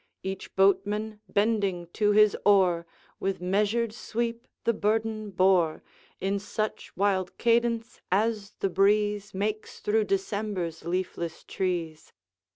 Each boatman, bending to his oar, With measured sweep the burden bore, In such wild cadence as the breeze Makes through December's leafless trees.